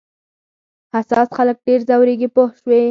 حساس خلک ډېر ځورېږي پوه شوې!.